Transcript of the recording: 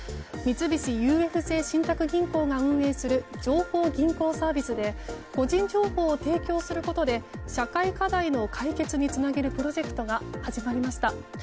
三菱ＵＦＪ信託銀行が運営する情報銀行サービスで個人情報を提供することで社会課題の解決につなげるプロジェクトが始まりました。